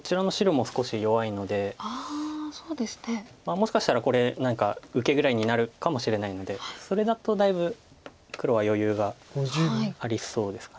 もしかしたらこれ何か受けぐらいになるかもしれないのでそれだとだいぶ黒は余裕がありそうですか。